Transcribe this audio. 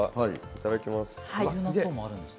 いただきます。